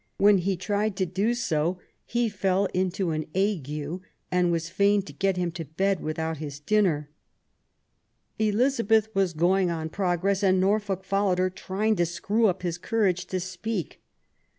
When he tried to do so " he fell into an ague and was fain to get him to bed with out his dinner". Elizabeth was going on progress, and Norfolk followed her, trying to screw up courage to speak.